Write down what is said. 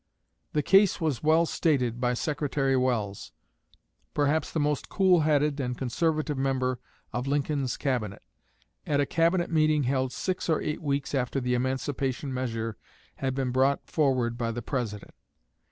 The case was well stated by Secretary Welles perhaps the most cool headed and conservative member of Lincoln's Cabinet at a Cabinet meeting held six or eight weeks after the Emancipation measure had been brought forward by the President.